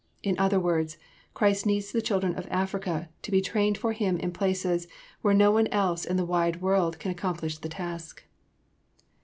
In other words, Christ needs the children of Africa, to be trained for Him in places where no one else in the wide world can accomplish the task.